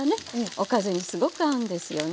おかずにすごく合うんですよね。